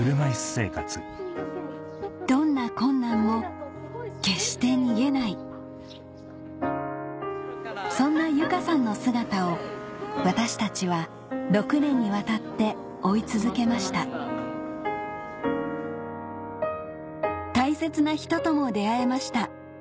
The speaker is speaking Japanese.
どんな困難も決して逃げないそんな由佳さんの姿を私たちは６年にわたって追い続けました大切な人とも出会えました